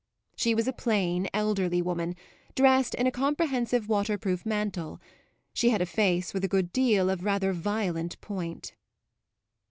She was a plain, elderly woman, dressed in a comprehensive waterproof mantle; she had a face with a good deal of rather violent point.